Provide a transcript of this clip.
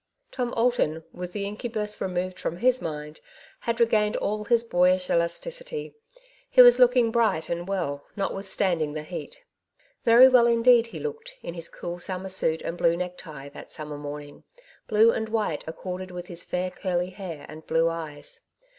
Tom Alton with the incubus removed from his mind had regained all his boyish elasticity. He was looking bright and well, notwithstanding the heat* Very well indeed he looked, in his cool sum mer suit and blue necktie, that summer morning; blue and white accorded with his fair curly hair and blue eyes.